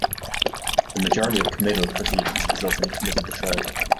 The majority of committal proceedings result in a committal to trial.